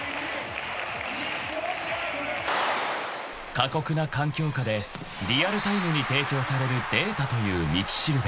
［過酷な環境下でリアルタイムに提供されるデータという道しるべ］